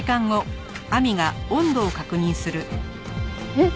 えっ？